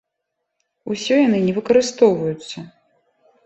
Усё яны не выкарыстоўваюцца!